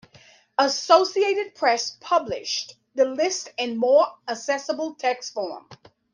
Associated Press published the list in more accessible text form.